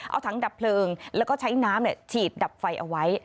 เอาถังดับเพลิงแล้วก็ใช้น้ำฉีดดับไฟเอาไว้